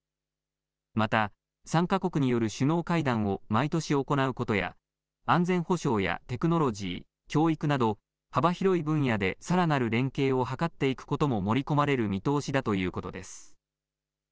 また３か国による首脳会談を毎年行うことや安全保障やテクノロジー、教育など幅広い分野でさらなる連携を図っていくことも盛り込まれる見通しだということです。